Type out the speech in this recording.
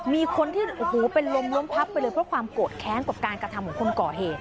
มีคนที่โอ้โหเป็นลมล้มพับไปเลยเพราะความโกรธแค้นกับการกระทำของคนก่อเหตุ